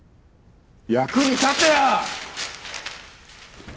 役に立てよ！